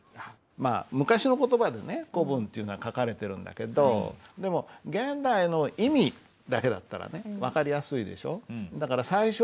まあ昔の言葉でね古文っていうのは書かれてるんだけどでも現代の意味だけだったら分かりやすいでしょ。